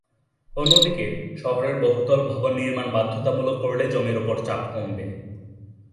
অন্যদিকে, শহরের বহুতল ভবন নির্মাণ বাধ্যতামূলক করলে জমির ওপর চাপ কমবে।